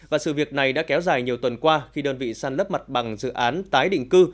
và sự việc này đã kéo dài nhiều tuần qua khi đơn vị săn lấp mặt bằng dự án tái định cư